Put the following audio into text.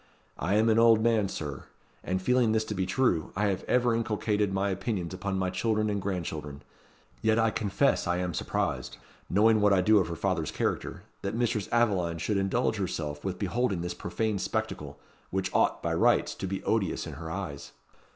I am an old man, Sir; and feeling this to be true, I have ever inculcated my opinions upon my children and grandchildren. Yet I confess I am surprised knowing what I do of her father's character that Mistress Aveline should indulge herself with beholding this profane spectacle, which ought, by rights, to be odious in her eyes."